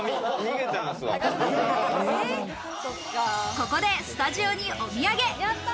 ここでスタジオにお土産。